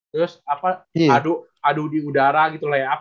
terus adu di udara gitu layup